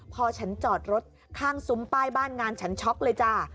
พอฉันจอดรถข้างซุ้มป้ายบ้านงานฉันช็อกเลยจ้า